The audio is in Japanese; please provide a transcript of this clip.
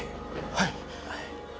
はい。